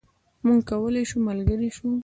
موږ کولای شو ملګري شو.